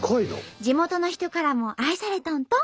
地元の人からも愛されとんと！